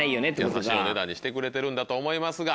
優しいお値段にしてくれてるんだと思いますが。